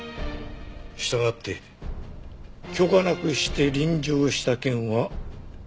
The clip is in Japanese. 従って許可なくして臨場した件は不問に処す！